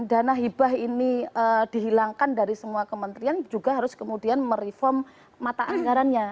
dan dana ibah ini dihilangkan dari semua kementerian juga harus kemudian mereform mata anggarannya